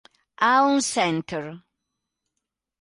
Aon Center